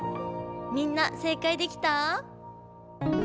みんな正解できた？